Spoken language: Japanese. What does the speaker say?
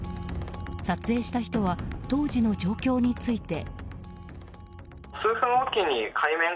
撮影した人は当時の状況について。